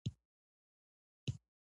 هندوانې ډېر اوبه لري او د دوبي مېوه ده.